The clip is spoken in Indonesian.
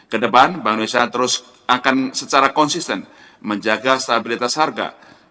kedepan bank indonesia terus akan secara konsisten menjaga stabilitas harga